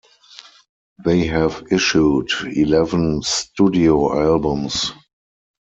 They have issued eleven studio albums.